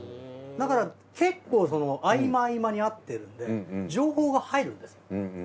だから結構合間合間に会ってるんで情報が入るんです。